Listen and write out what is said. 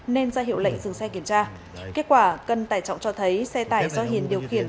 nên ra hiệu lệnh dừng xe kiểm tra kết quả cân tải trọng cho thấy xe tải do hiền điều khiển